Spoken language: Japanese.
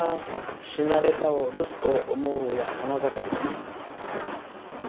「死なれたを留守と思うや花盛り」。